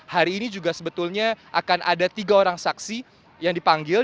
hari ini juga sebetulnya akan ada tiga orang saksi yang dipanggil